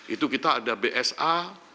itu kita ada bsa